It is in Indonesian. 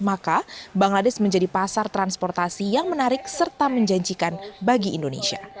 maka bangladesh menjadi pasar transportasi yang menarik serta menjanjikan bagi indonesia